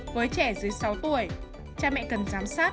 với trẻ dưới sáu tuổi cha mẹ cần giám sát